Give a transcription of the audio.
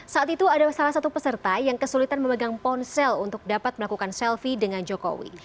saat itu ada salah satu peserta yang kesulitan memegang ponsel untuk dapat melakukan selfie dengan jokowi